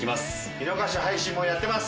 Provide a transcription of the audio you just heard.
見逃し配信もやってます。